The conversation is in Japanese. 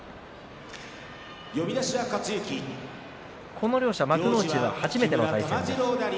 この両者幕内では初めての対戦です。